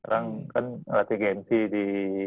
sekarang kan ngelatih gensi di